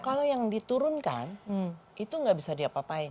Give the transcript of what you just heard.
kalau yang diturunkan itu nggak bisa diapa apain